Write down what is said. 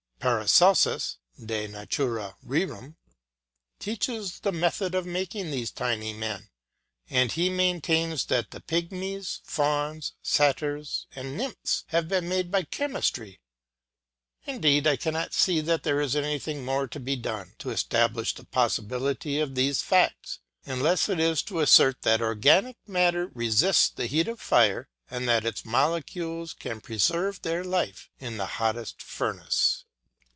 Paracelsis (De natura rerum) teaches the method of making these tiny men, and he maintains that the pygmies, fauns, satyrs, and nymphs have been made by chemistry. Indeed I cannot see that there is anything more to be done, to establish the possibility of these facts, unless it is to assert that organic matter resists the heat of fire and that its molecules can preserve their life in the hottest furnace.